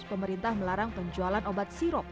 pemerintah melarang penjualan obat sirop